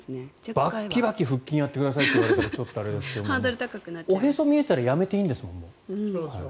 バキバキ腹筋やってくださいと言われたらちょっとなって思いますけどおへそが見えたらいいんですもん。